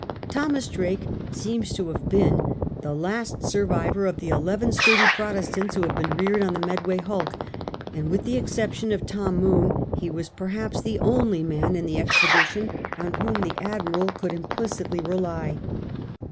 Thomas Drake seems to have been the last survivor of the eleven sturdy Protestants who had been reared on the Medway hulk ; and, with the exception of Tom Moone, he was perhaps the only man in the expedition on whom the Admiral could implicitly rely.